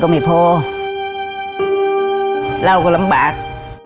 ต้องฝืนไปกรีดยางไม่มีข้าวกิน